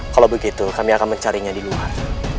kalau begitu kami akan mencarinya di luar